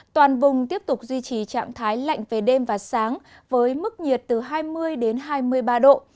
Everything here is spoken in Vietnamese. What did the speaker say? toàn vùng tiếp tục duy trì trạng thái lạnh về đêm và sáng với mức nhiệt từ hai mươi hai mươi ba độ